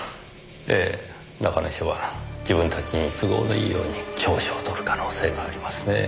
ええ中根署は自分たちに都合のいいように調書を取る可能性がありますね。